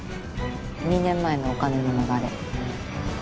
２年前のお金の流れ。